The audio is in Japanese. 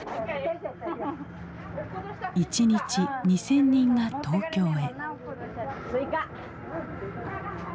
一日２，０００人が東京へ。